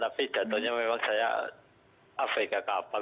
tapi jadwalnya memang saya abk kapal